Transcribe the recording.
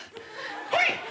はい！